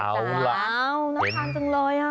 เอาล่ะน่าทานจังเลย